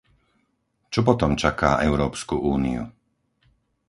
Čo potom čaká Európsku úniu?